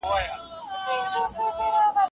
که کار اهل کار ته ورکړو نو اداره نه ناکامیږي.